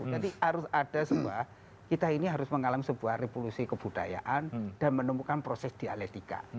jadi harus ada semua kita ini harus mengalami sebuah revolusi kebudayaan dan menemukan proses dialetika